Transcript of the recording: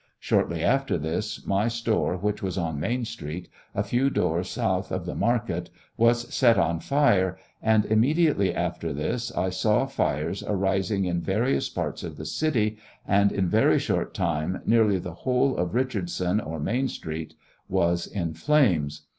Shortly after' this my store, which was on Main street, a few doors south of the market, was set on fire, and immediately after this I saw fires arising in various parts of the city, and in a very short time nearly the whole of Eichardson or Main street was in flames.